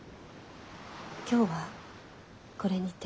今日はこれにて。